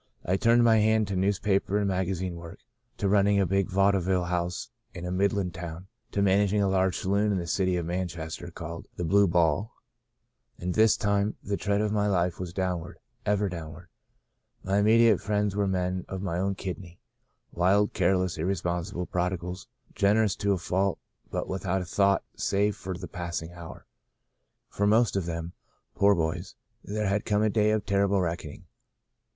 I turned my hand to newspaper and maga zine work, to running a big vaudeville house in a Midland town, to managing a large sa loon in the city of Manchester, called *The Blue Ball.' All this time the trend of my life was downward — ever downward. My imme diate friends were men of my own kidney — wild, careless, irresponsible prodigals, gener ous to a fault, but without a thought save for the passing hour. For most of them, poor boys, there has come a day of terrible reck oning.